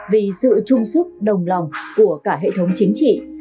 vì sự trung sức đồng lòng của cả hệ thống chính trị